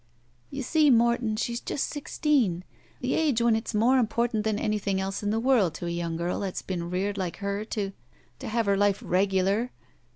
"You see, Morton, she's just sixteen. The age when it's more important than anytlung else in the world to a young girl that's been reared like her to — to have her life regular!